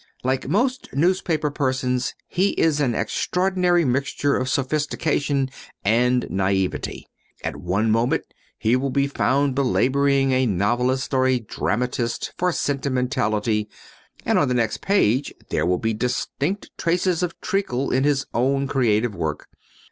Like most newspaper persons he is an extraordinary mixture of sophistication and naïveté. At one moment he will be found belaboring a novelist or a dramatist for sentimentality and on the next page there will be distinct traces of treacle in his own creative work.